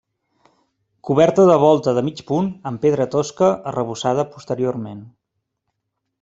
Coberta de volta de mig punt, amb pedra tosca, arrebossada posteriorment.